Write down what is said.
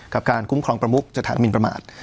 กับการคุ้มครองประมุกสถานมินประมาท